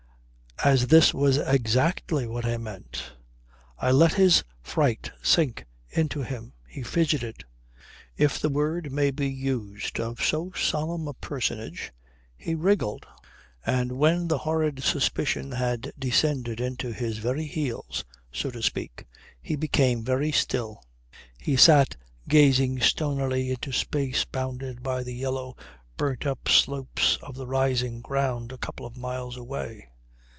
As this was exactly what I meant, I let his fright sink into him. He fidgeted. If the word may be used of so solemn a personage, he wriggled. And when the horrid suspicion had descended into his very heels, so to speak, he became very still. He sat gazing stonily into space bounded by the yellow, burnt up slopes of the rising ground a couple of miles away.